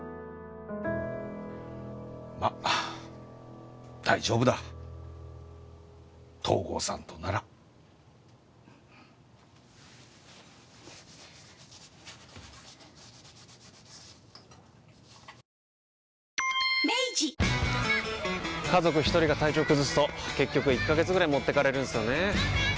まっ大丈夫だ東郷さんとなら家族一人が体調崩すと結局１ヶ月ぐらい持ってかれるんすよねー。